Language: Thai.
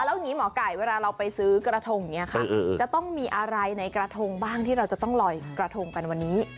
แล้วอย่างนี้หมอไก่เวลาเราไปซื้อกระทงอย่างนี้ค่ะจะต้องมีอะไรในกระทงบ้างที่เราจะต้องลอยกระทงกันวันนี้